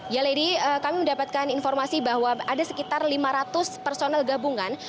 ya lady kami mendapatkan informasi bahwa ada sekitar lima ratus personel gabungan